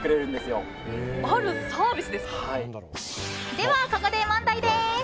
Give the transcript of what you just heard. では、ここで問題です。